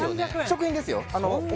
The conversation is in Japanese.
食品ですよ